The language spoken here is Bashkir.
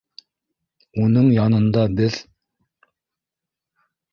Уның янында беҙ